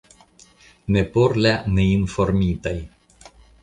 Ne por la neinformitaj.